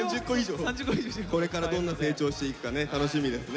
これからどんな成長していくかね楽しみですね。